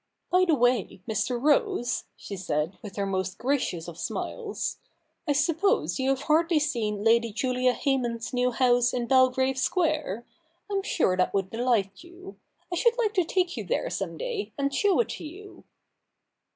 ' By the way, Mr. Rose,' she said, with her most gracious of smiles, ' I suppose you have hardly seen Lady Julia Hayman's new house in Belgrave Square ? Vm sure that would delight you. I should like to take you there some day, and show it to you.'